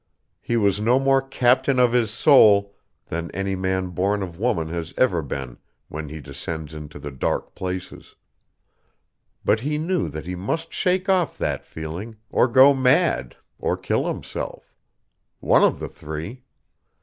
He was no more captain of his soul than any man born of woman has ever been when he descends into the dark places. But he knew that he must shake off that feeling, or go mad, or kill himself. One of the three.